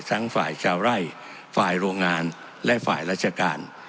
ทั้งฝ่ายชาวไร่ฝ่ายโรงงานและฝ่ายราชการ